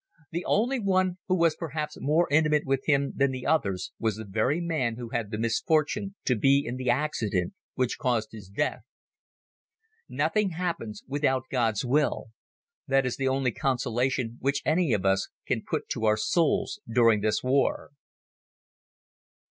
The only one who was perhaps more intimate with him than the others was the very man who had the misfortune to be in the accident which caused his death. Nothing happens without God's will. That is the only consolation which any of us can put to our souls during this war.